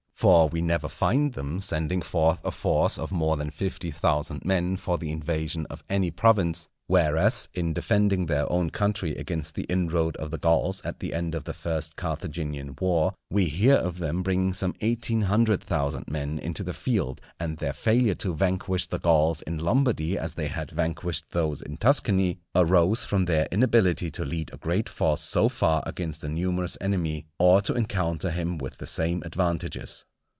For we never find them sending forth a force of more than fifty thousand men for the invasion of any province; whereas, in defending their own country against the inroad of the Gauls at the end of the first Carthaginian war, we hear of them bringing some eighteen hundred thousand men into the field; and their failure to vanquish the Gauls in Lombardy as they had vanquished those in Tuscany arose from their inability to lead a great force so far against a numerous enemy, or to encounter him with the same advantages.